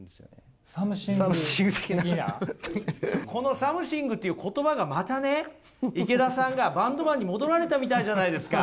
この「サムシング」って言葉がまたね池田さんがバンドマンに戻られたみたいじゃないですか。